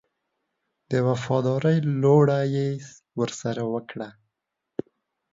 د وفاداري لوړه یې ورسره وکړه.